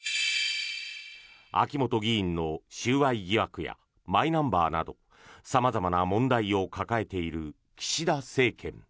秋本議員の収賄疑惑やマイナンバーなど様々な問題を抱えている岸田政権。